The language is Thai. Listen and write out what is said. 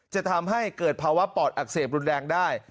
จะทำให้เกิดภาวะปอดอักเสบรุนแรงได้